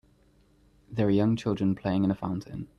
There are young children playing in a fountain.